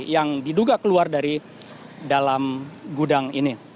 yang diduga keluar dari dalam gudang ini